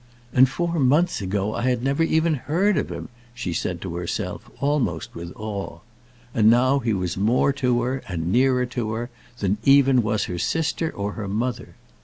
"And four months ago I had never even heard of him," she said to herself, almost with awe. And now he was more to her, and nearer to her, than even was her sister or her mother!